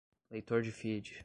leitor de feed